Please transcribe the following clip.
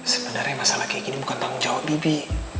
sebenarnya masalah kayak gini bukan tanggung jawab bibi